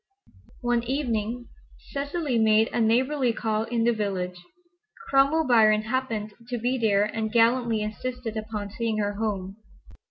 One evening Cecily made a neighborly call in the village. Cromwell Biron happened to be there and gallantly insisted upon seeing her home.